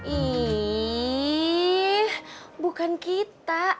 ih bukan kita